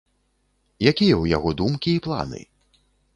Якія ў яго думкі і планы?